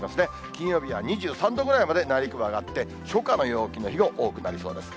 金曜日は２３度ぐらいまで内陸部上がって、初夏の陽気の日が多くなりそうです。